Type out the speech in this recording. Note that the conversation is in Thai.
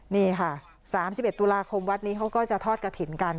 นี่ค่ะ๓๑ตุลาคมวัดนี้เขาก็จะทอดกระถิ่นกัน